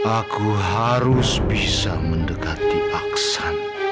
aku harus bisa mendekati aksan